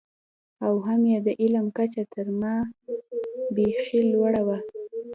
او هم یې د علم کچه تر ما بېخي لوړه وه.